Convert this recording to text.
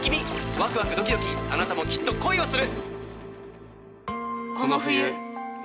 ワクワクドキドキあなたもきっと恋をする！